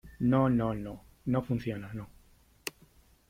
no , no , no . no funciona , no .